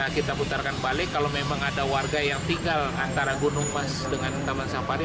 kita putarkan balik kalau memang ada warga yang tinggal antara gunung mas dengan taman safari